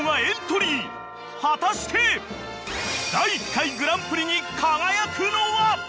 ［果たして第１回グランプリに輝くのは］